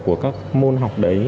của các môn học đấy